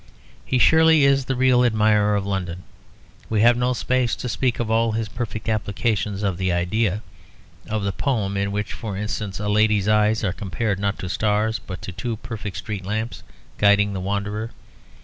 He surely is the real admirer of London. We have no space to speak of all his perfect applications of the idea; of the poem in which, for instance, a lady's eyes are compared, not to stars, but to two perfect street lamps guiding the wanderer.